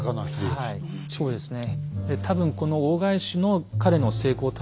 はいそうですね。